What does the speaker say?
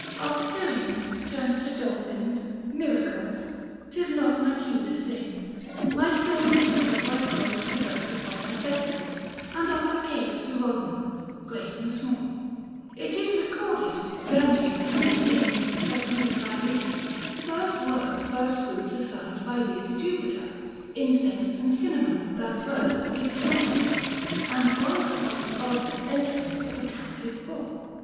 Of Tyrrhenes turned to dolphins, miracles — 'Tis not my cue to sing — my story tells 775 Why crones preside upon thy festival And offer cates to Komans STeat and small. ^ j It is recorded, Granges and the Ind Subdued by thee, first were first fruits assigned By thee to Jupiter: incense and cinnamon 780 Thou first didst offer him : and broiled upon His altar entrails of a captive bull.